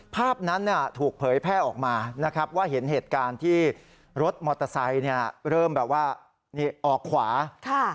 ภาพนั้นถูกเผยแพร่ออกมาว่าเห็นเหตุการณ์ที่รถมอเตอร์ไซค์เริ่มออกขวา